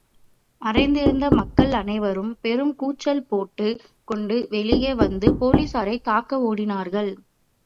மறைந்திருந்த மக்கள் அனைவரும் பெரும் கூச்சல் போட்டு கொண்டு வெளியே வந்து போலீசாரைத் தாக்க ஓடினார்கள்.